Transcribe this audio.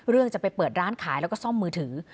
จะไปเปิดร้านขายแล้วก็ซ่อมมือถือ